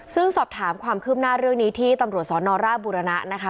ซึ่งสอบถามความคืบหน้าเรื่องนี้ที่ตำรวจสนราชบุรณะนะคะ